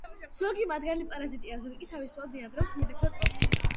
ზოგი მათგანი პარაზიტია, ზოგი კი თავისუფლად ბინადრობს ნიადაგსა და წყალში.